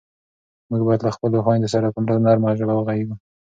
موږ باید له خپلو خویندو سره په نرمه ژبه غږېږو.